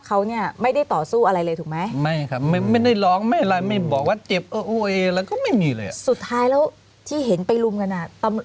เราไม่เคยเจอภาวะข่าวแบบนี้เลยนะคะ